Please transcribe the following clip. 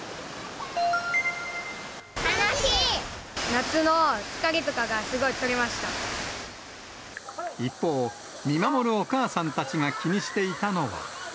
夏の疲れとかが、すごい取れ一方、見守るお母さんたちが気にしていたのは。